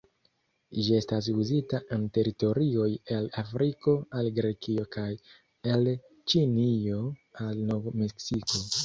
Ĝi estis uzita en teritorioj el Afriko al Grekio kaj el Ĉinio al Nov-Meksiko.